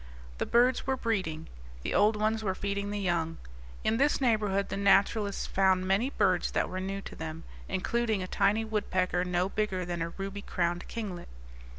The birds were breeding; the old ones were feeding the young. In this neighborhood the naturalists found many birds that were new to them, including a tiny woodpecker no bigger than a ruby crowned kinglet.